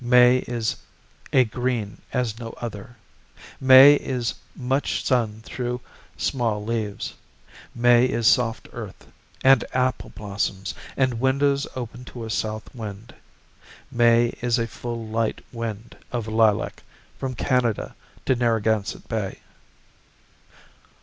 May is a green as no other, May is much sun through small leaves, May is soft earth, And apple blossoms, And windows open to a South wind. May is a full light wind of lilac From Canada to Narragansett Bay.